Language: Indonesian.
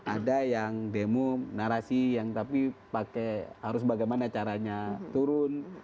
ada yang demo narasi yang tapi pakai harus bagaimana caranya turun